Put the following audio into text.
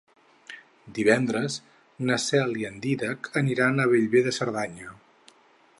Divendres na Cel i en Dídac aniran a Bellver de Cerdanya.